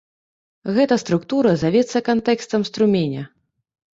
Гэта структура завецца кантэкстам струменя.